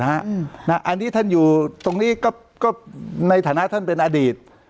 อันนี้ท่านอยู่ตรงนี้ก็ในฐานะท่านเป็นอดีต